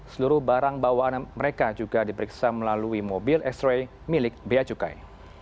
seluruh barang bawaan mereka juga diperiksa melalui mobil x ray milik beacukai